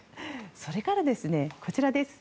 それから、こちらです。